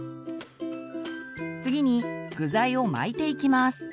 次に具材を巻いていきます。